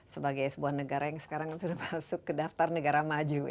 sebagai sebuah negara yang sekarang sudah masuk ke daftar negara maju